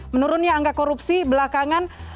menurunnya angka korupsi belakangan